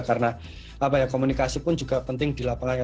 karena komunikasi pun juga penting di lapangan